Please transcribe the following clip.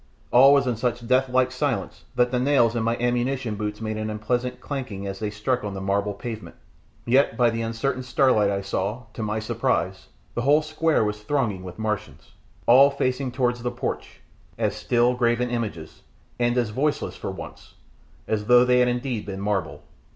All was in such deathlike silence that the nails in my "ammunition" boots made an unpleasant clanking as they struck on the marble pavement; yet, by the uncertain starlight, I saw, to my surprise, the whole square was thronged with Martians, all facing towards the porch, as still, graven images, and as voiceless, for once, as though they had indeed been marble.